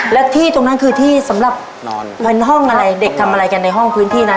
และที่ตรงนั้นคือที่สำหรับเป็นห้องอะไรเด็กทำอะไรกันในห้องพื้นที่นั้น